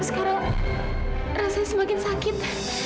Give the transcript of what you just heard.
sekarang rasanya semakin sakit